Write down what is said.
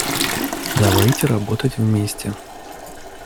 Давайте работать вместе.